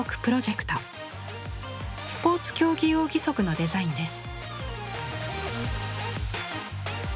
スポーツ競技用義足のデザインです。